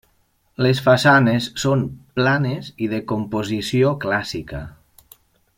Les façanes són planes i de composició clàssica.